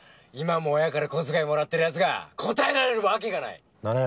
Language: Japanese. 今も親から小遣いもらってる奴が答えられるわけがない。